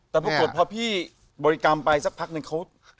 แต่ปรากฏพอพี่บริกรรมไปสักพักนึงเขา